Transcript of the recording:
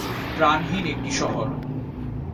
প্রাণহীন একটি শহর।